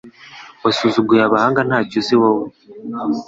wasuzuguye abahanga ntacyo uzi wowe